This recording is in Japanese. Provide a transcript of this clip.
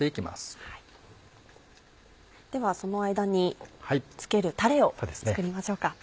ではその間に付けるたれを作りましょうか。